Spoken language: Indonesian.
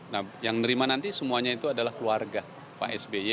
nah yang menerima nanti semuanya itu adalah keluarga pak sby